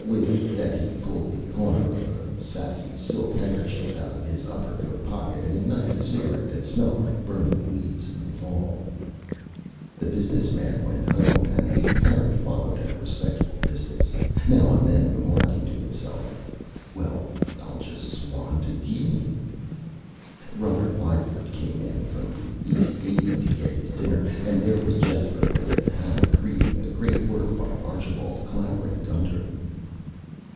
With that he pulled the Corner of a Sassy Silk Handkerchief out of his upper Coat Pocket and ignited a Cigarette that smelt like Burning Leaves in the Fall. The Business Man went Home, and the Parent followed at a Respectful Distance, now and then remarking to Himself: "Well, I'll jest swan to Guinney!" Brother Lyford came in from the East Eighty to get his Dinner, and there was Jethro in the Hammock reading a Great Work by Archibald Clavering Gunter.